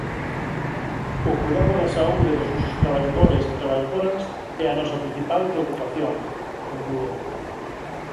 "O coidado da saúde dos nosos traballadores e traballadoras é a nosa principal preocupación", conclúe.